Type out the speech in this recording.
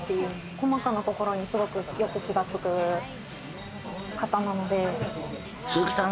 細かなところによく気がつく方なので。